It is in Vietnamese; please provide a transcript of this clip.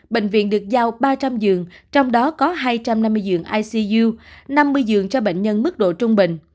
bệnh viện được giao ba trăm linh giường trong đó có hai trăm năm mươi giường icu năm mươi giường cho bệnh nhân mức độ trung bình